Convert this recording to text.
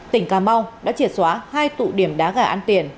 tỉnh cà mau đã triệt xóa hai tụ điểm đá gà ăn tiền